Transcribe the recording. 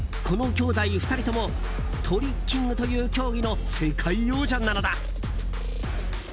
この兄弟、２人ともトリッキングという競技の世界王者なのだ。